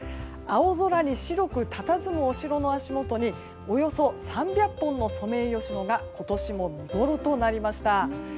青空に白くたたずむお城の足元におよそ３００本のソメイヨシノが今年も見ごろとなりました。